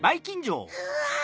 ・うわ！